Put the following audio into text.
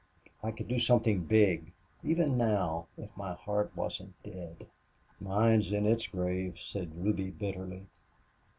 I could do something big even now if my heart wasn't dead." "Mine's in its grave," said Ruby, bitterly.